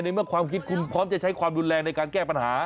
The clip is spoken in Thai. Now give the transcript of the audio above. เมื่อความคิดคุณพร้อมจะใช้ความรุนแรงในการแก้ปัญหา